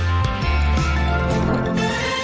อุ๊ย